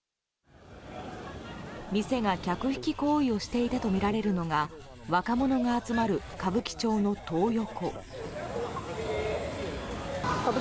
店が客引き行為をしていたとみられるのが若者が集まる歌舞伎町のトー横。